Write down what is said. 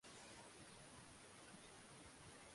Wasuni lakini watu kutoka nje hufuata pia dini mbalimbali